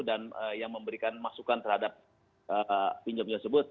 dan yang memberikan masukan terhadap pinjol pinjol tersebut